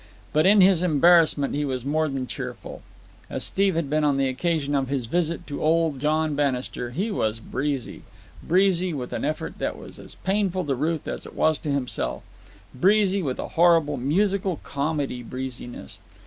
But in his embarrassment he was more than cheerful. As Steve had been on the occasion of his visit to old John Bannister, he was breezy, breezy with an effort that was as painful to Ruth as it was to himself, breezy with a horrible musical comedy breeziness.